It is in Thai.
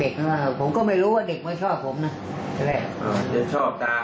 เด็กก็ว่าผมก็ไม่รู้ว่าเด็กไม่ชอบผมนะ